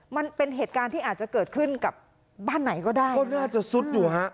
มันเป็นเหตุการณ์ที่อาจจะเกิดขึ้นกับบ้านไหนก็ได้ก็น่าจะซุดอยู่ฮะ